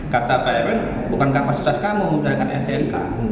kata pak ewen bukan kapasitas kamu bertanyakan stnk